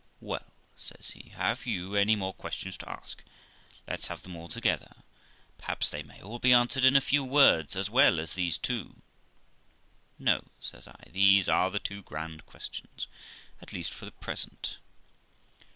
'Well', says he, 'have you any more questions to ask? Let's have them all together; perhaps they may be all answered in a few words, as well as these two.' ' No ', says I ;' these are the two grand questions at least for the present.'